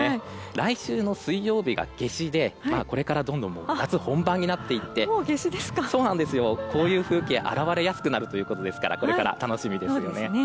来週の水曜日が夏至で、これからどんどん夏になっていってこういう風景が表れやすくなるということですから楽しみですよね。